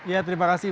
ya terima kasih